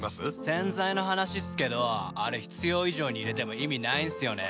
洗剤の話っすけどあれ必要以上に入れても意味ないんすよね。